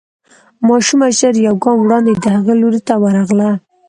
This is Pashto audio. ماشومه ژر يو ګام وړاندې د هغه لوري ته ورغله.